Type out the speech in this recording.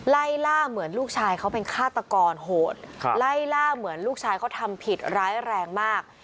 ไล่ล่าเหมือนลูกชายเขาเป็นฆาตกรโหดไล่ล่าเหมือนลูกชายเขาทำผิดร้ายแรงมาก